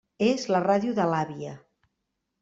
És la ràdio de l'àvia.